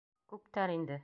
— Күптән инде.